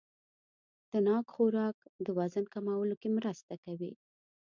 د ناک خوراک د وزن کمولو کې مرسته کوي.